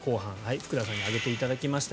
福田さんに挙げていただきました。